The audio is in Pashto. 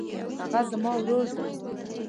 هغه زما ورور دی.